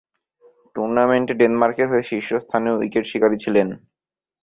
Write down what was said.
টুর্নামেন্টে ডেনমার্কের হয়ে শীর্ষস্থানীয় উইকেট শিকারী ছিলেন।